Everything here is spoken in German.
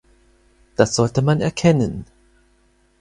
Das sollte man erkennen!